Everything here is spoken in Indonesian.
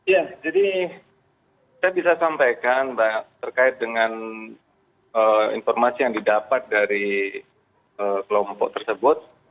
ya jadi saya bisa sampaikan mbak terkait dengan informasi yang didapat dari kelompok tersebut